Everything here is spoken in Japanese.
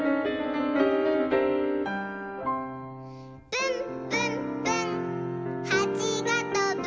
「ぶんぶんぶんはちがとぶ」